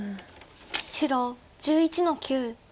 白１１の九。